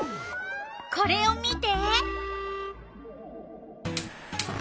これを見て。